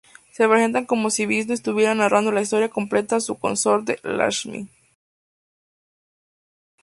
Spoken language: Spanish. Se presenta como si Visnú estuviera narrando la historia completa a su consorte Lakshmi.